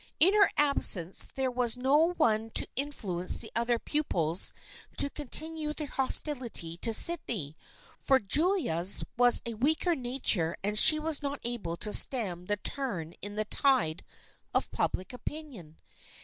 In her absence there was no one to influence the other pupils to con tinue their hostility to Sydney, for Julia's was a weaker nature and she was not able to stem the turn in the tide of public opinion.